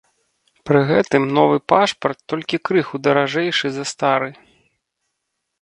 Пры гэтым новы пашпарт толькі крыху даражэйшы за стары.